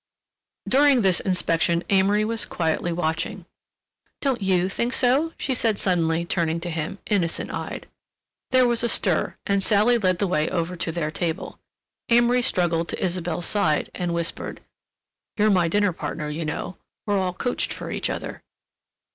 During this inspection Amory was quietly watching. "Don't you think so?" she said suddenly, turning to him, innocent eyed. There was a stir, and Sally led the way over to their table. Amory struggled to Isabelle's side, and whispered: "You're my dinner partner, you know. We're all coached for each other."